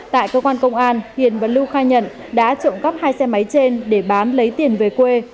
tại cơ quan công an hiền và lưu khai nhận đã trộm cắp hai xe máy trên để bán lấy tiền về quê